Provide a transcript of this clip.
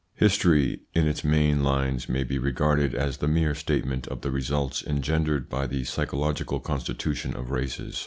HISTORY in its main lines may be regarded as the mere statement of the results engendered by the psychological constitution of races.